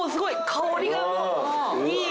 香りがもういいいい。